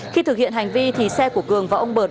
khi thực hiện hành vi thì xe của cường và ông bợt